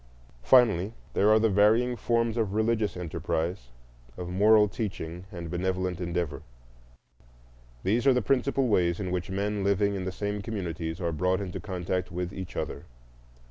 Finally, there are the varying forms of religious enterprise, of moral teaching and benevolent endeavor. These are the principal ways in which men living in the same communities are brought into contact with each other.